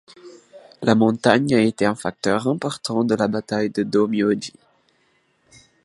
La montagne a été un facteur important de la bataille de Dōmyōji.